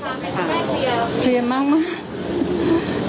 เตรียมมากมากเตรียมมากมากเลยครับขอไม่พอ